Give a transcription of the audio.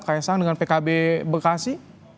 kaisang dengan pkb bekasi